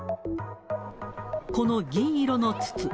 この銀色の筒。